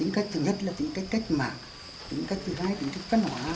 tính cách thứ nhất là tính cách cách mạng tính cách thứ hai là tính cách phân hóa